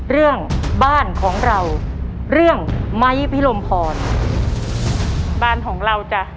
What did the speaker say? เรื่องบ้านของเราเรื่องไม้พิรมพรบ้านของเราจ้ะ